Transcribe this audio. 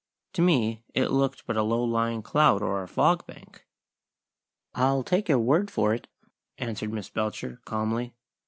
To me it looked but a low lying cloud or a fogbank. "I'll take your word for it," answered Miss Belcher, calmly.